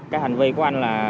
cái hành vi của anh là